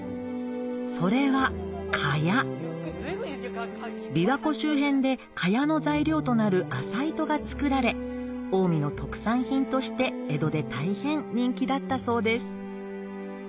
それは琵琶湖周辺で蚊帳の材料となる麻糸が作られ近江の特産品として江戸で大変人気だったそうです